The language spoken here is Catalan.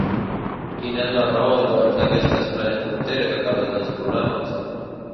Quina és la raó, doncs, d’aquesta estranya frontera que causa tants problemes?